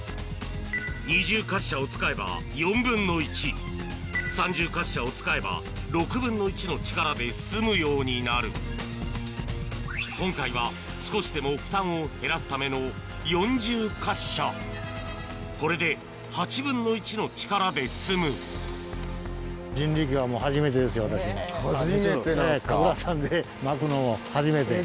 二重滑車を使えば４分の１三重滑車を使えば６分の１の力で済むようになる今回は少しでも負担を減らすための初めてなんですか。